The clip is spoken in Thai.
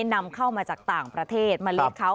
นำเข้ามาจากต่างประเทศมาเลี้ยงเขา